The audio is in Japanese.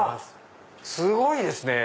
すごいですね！